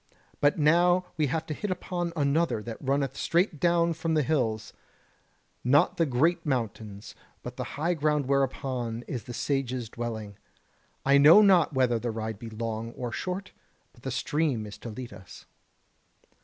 But now have we to hit upon another that runneth straight down from the hills: not the Great Mountains, but the high ground whereon is the Sage's dwelling. I know not whether the ride be long or short; but the stream is to lead us."